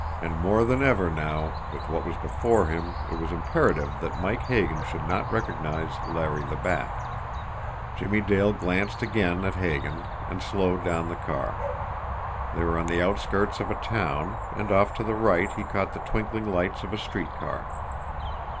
And more than ever now, with what was before him, it was imperative that Mike Hagan should not recognise Larry the Bat. Jimmie Dale glanced again at Hagan and slowed down the car. They were on the outskirts of a town, and off to the right he caught the twinkling lights of a street car.